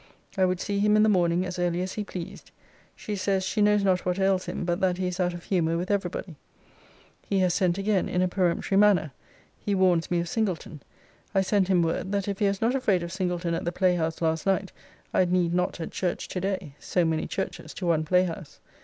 I would see him in the morning as early as he pleased. She says, she knows not what ails him, but that he is out of humour with every body. He has sent again in a peremptory manner. He warns me of Singleton. I sent him word, that if he was not afraid of Singleton at the playhouse last night, I need not at church to day: so many churches to one playhouse.